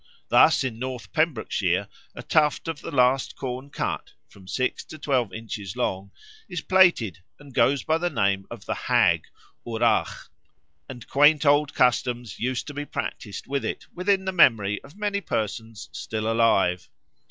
Thus in North Pembrokeshire a tuft of the last corn cut, from six to twelve inches long, is plaited and goes by the name of the Hag (wrach); and quaint old customs used to be practised with it within the memory of many persons still alive.